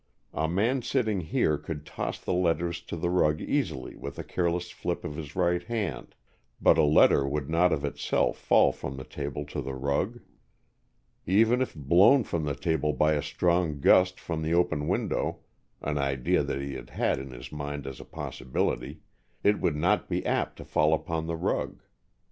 A man sitting here could toss the letters to the rug easily with a careless flip of his right hand, but a letter would not of itself fall from the table to the rug. Even if blown from the table by a strong gust from the open window, an idea that he had had in his mind as a possibility, it would not be apt to fall upon the rug.